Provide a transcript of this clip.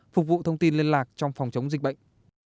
phục vụ thông tin liên lạc trong phòng chống dịch bệnh